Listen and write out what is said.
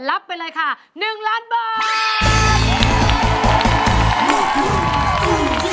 รับไปเลยค่ะ๑ล้านบาท